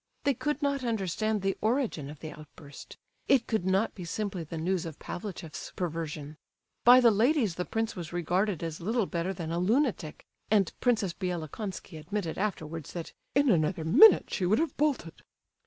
They could not understand the origin of the outburst; it could not be simply the news of Pavlicheff's perversion. By the ladies the prince was regarded as little better than a lunatic, and Princess Bielokonski admitted afterwards that "in another minute she would have bolted."